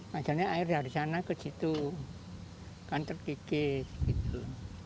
masalahnya air dari sana ke situ kan terkikis gitu